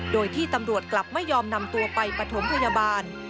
โดยที่ตำรวจกลับไม่ยอมนำตัวไปปฐมพยาบาล